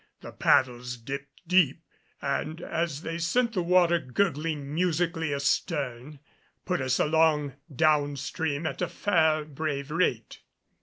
The paddles dipped deep and, as they sent the water gurgling musically astern, put us along down stream at a fair brave rate.